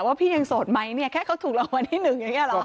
ว่าพี่ยังโสดไหมเนี่ยแค่เขาถูกรางวัลที่หนึ่งอย่างนี้หรอ